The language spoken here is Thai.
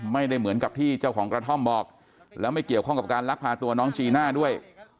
ไม่ได้เหมือนกับที่เจ้าของกระท่อมบอกแล้วไม่เกี่ยวข้องกับการลักพาตัวน้องจีน่าด้วย